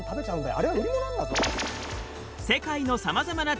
あれは売り物なんだぞ！